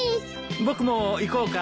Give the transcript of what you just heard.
僕も行こうか。